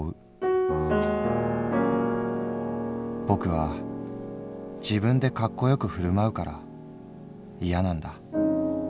ぼくは自分でカッコよく振るまうから嫌なんだ。